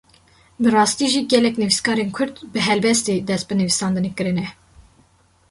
Bi rastî jî gelek nivîskarên Kurd bi helbestê dest bi nivîsandinê kirine.